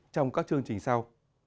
trong các chương trình sau